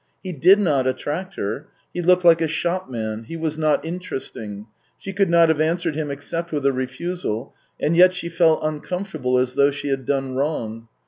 He did not attract her; he looked like a shopman; he was not interesting; she could not have answered him except with a refusal, and yet she felt uncomfortable, as though she had done wrong.